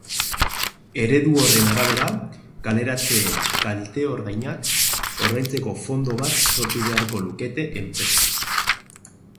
Eredu horren arabera, kaleratzeen kalte-ordainak ordaintzeko fondo bat sortu beharko lukete enpresek.